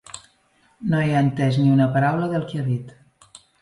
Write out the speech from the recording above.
No he entès ni una paraula del que ha dit.